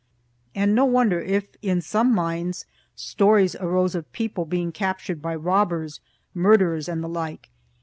And no wonder if in some minds stories arose of people being captured by robbers, murderers, and the like.